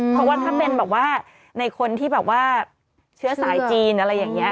เพราะว่าถ้าเป็นในคนที่เชื่อสายจีนอะไรอย่างนี้